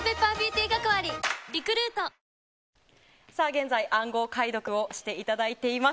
現在、暗号解読をしていただいています。